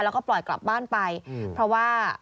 แล้วก็ปล่อยกลับบ้านไปเพราะว่า